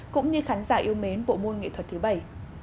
cũng như khán giả yêu mến bộ môn nghệ thuật thứ bảy